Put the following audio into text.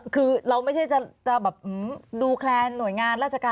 คือเราไม่ใช่จะแบบดูแคลนหน่วยงานราชการ